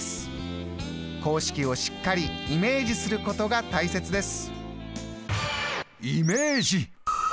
公式をしっかりイメージすることが大切です。